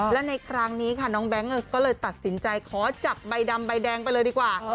และในครั้งนี้ค่ะน้องแบงค์ก็เลยตัดสินใจขอจับใบดำใบแดงไปเลยดีกว่า